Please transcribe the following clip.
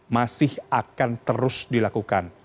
masih akan terus dilakukan